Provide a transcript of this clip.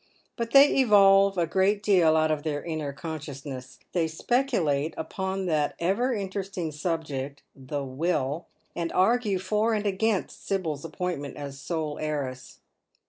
But they evolve a great deal out of their inner consciousness. They speculate upon that ever interesting subject, the will, and argue for and against Sibyl's appointment as sole heiress.